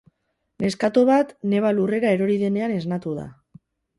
Neskato bat neba lurrera erori denean esnatu da.